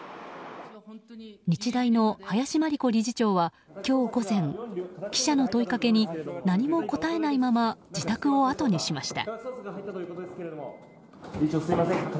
日大の林真理子理事長は今日午前記者の問いかけに何も答えないまま自宅をあとにしました。